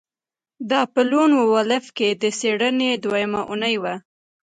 دا په لون وولف کې د څیړنې دویمه اونۍ وه